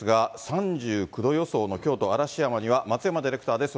３９度予想の京都・嵐山には松山ディレクターです。